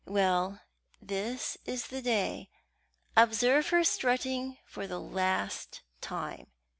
Well, this is the day. Observe her strutting for the last time.